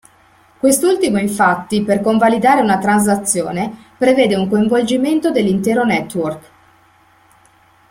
Quest’ultimo infatti, per convalidare una transazione, prevede un coinvolgimento dell’intero network.